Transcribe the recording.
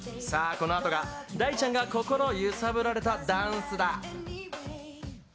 このあとが大ちゃんが心揺さぶられたダンスだ。